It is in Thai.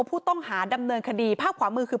ผู้ต้องหาดำเนินคดีภาพขวามือคือ